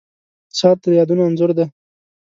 • ساعت د یادونو انځور دی.